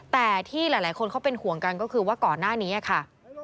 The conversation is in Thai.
แต่ที่หลายคนเขาเป็นห่วงกันก็คือว่าก่อนหน้านี้ค่ะ